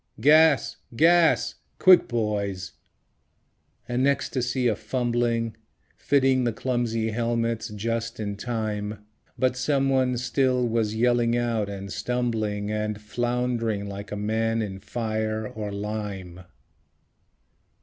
Gas! GAS! Quick, boys! An ecstasy of fumbling, Fitting the clumsy helmets just in time; But someone still was yelling out and stumbling And flound'ring like a man in fire or lime...